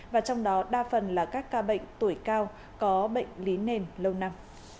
và trong đó đa phần là các ca bệnh tuổi cao có bệnh lý nền lâu năm